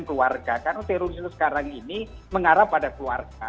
karena terorisme sekarang ini mengarah pada keluarga